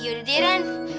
yaudah deh ran